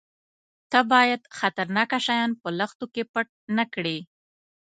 _ته بايد خطرناکه شيان په لښتو کې پټ نه کړې.